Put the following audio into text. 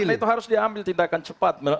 nah itu harus diambil tindakan cepat